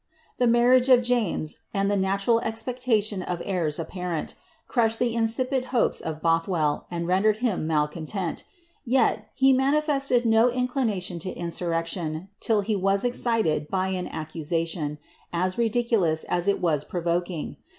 Tiie marriage of James, aiiu irie natural expectation of heirs appareol, cruslied the incipient liopcs of Bolliutll, and rendered him malconlftil; yet. he manifesied no iiicliiiaiion lo insurrection, till he was esciied bv an accusation, a:f ridiculous us it was provoking.